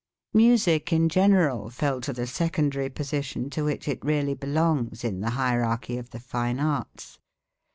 Music in general fell to the secondary position to which it really belongs in the hierarchy of the fine arts.